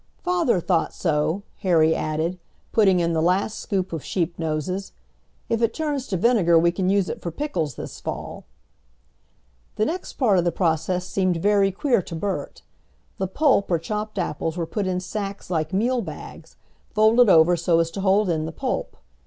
"Father thought so," Harry added, putting in the last scoop of sheepnoses. "If it turns to vinegar we can use it for pickles this fall." The next part of the process seemed very queer to Bert; the pulp or chopped apples were put in sacks like meal bags, folded over so as to hold in the pulp.